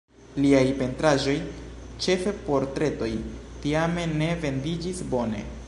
Liaj pentraĵoj, ĉefe portretoj, tiame ne vendiĝis bone.